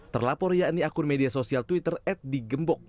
terlapor yakni akun media sosial twitter at digembok